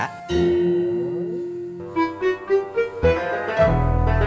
nah bang ujak lagi ya